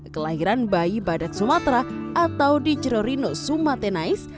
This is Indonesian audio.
kelahiran bayi badak sumatera atau dicerorino sumatenais